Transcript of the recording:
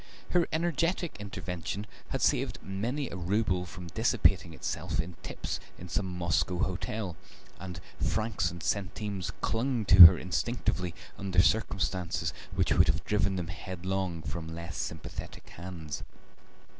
Her energetic intervention had saved many a rouble from dissipating itself in tips in some Moscow hotel, and francs and centimes clung to her instinctively under circumstances which would have driven them headlong from less sympathetic hands.